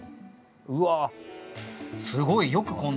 うわすごいよくこんな。